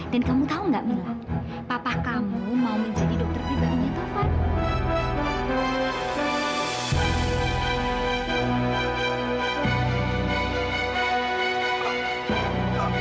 dan kamu tahu nggak mila papa kamu mau menjadi dokter pribadinya tovan